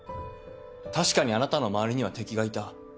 確かにあなたの周りには敵がいた。